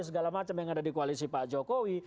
segala macam yang ada di koalisi pak jokowi